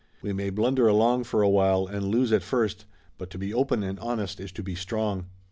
We may blunder along for a while and lose at first, but to be open and honest is to be strong."